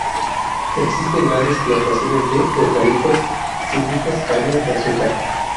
Existen grandes plantaciones de eucaliptos, cítricos, caña de azúcar.